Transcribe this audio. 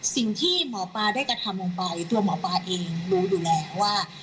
สิ่งที่หมอปลาได้กระทำลงไปตัวหมอปลาเองรู้อยู่แล้วว่า